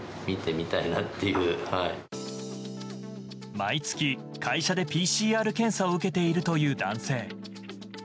毎月、会社でＰＣＲ検査を受けているという男性。